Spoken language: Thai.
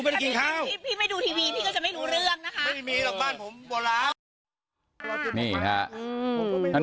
นี่ค่ะพี่อุ๊บใช่ไหม